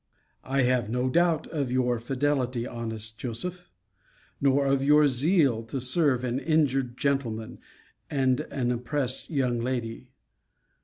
I have no doubt of your fidelity, honest Joseph; nor of your zeal to serve an injured gentleman, and an oppressed young lady.